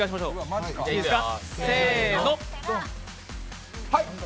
せーの。